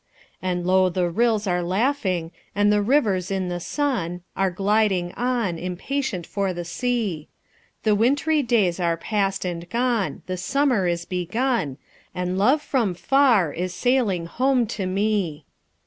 And low the rills are laughing, and the rivers in the sun Are gliding on, impatient for the sea; The wintry days are past and gone, the summer is begun, And love from far is sailing home to me!